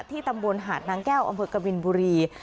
ตำบลหาดนางแก้วอำเภอกบินบุรี